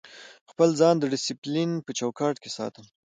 خپل ځان د ډیسپلین په چوکاټ کې ساتم.